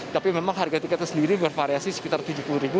tapi memang harga tiketnya sendiri bervariasi sekitar rp tujuh puluh